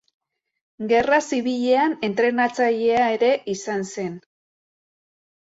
Gerra Zibilean, entrenatzailea ere izan zen.